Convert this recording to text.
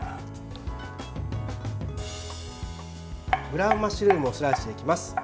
ブラウンマッシュルームをスライスしていきます。